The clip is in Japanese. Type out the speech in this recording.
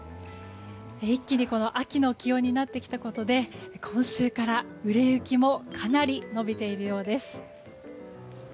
一気に秋の気温になってきたことで今週から売れ行きもかなり伸びているようです。